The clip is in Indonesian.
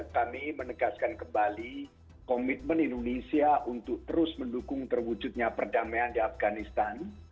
kami menegaskan kembali komitmen indonesia untuk terus mendukung terwujudnya perdamaian di afganistan